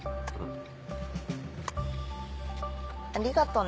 ありがとね。